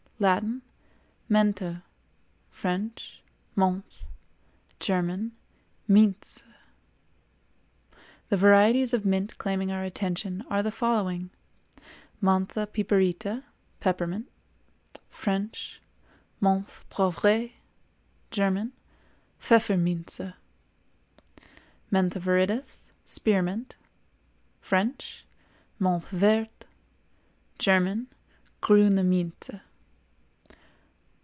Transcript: Latin—Mentha; French—Menthe; German—Minze. The varieties of mint claiming our attention are the following: Mentha piperita, Peppermint (French: Menthe poivrée; German: Pfefferminze).—Mentha viridis, Spearmint (French: Menthe verte; German: Grüne Minze).